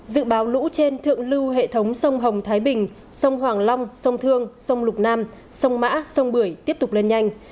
dự báo lũ trên thượng lưu hệ thống sông hồng thái bình sông hoàng long sông thương sông lục nam sông mã sông bưởi tiếp tục lên nhanh